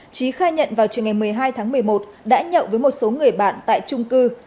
trí khai nhận vào trường ngày một mươi hai tháng một mươi một đã nhậu với một số người bạn tại trung cư